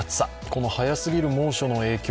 この早すぎる猛暑の影響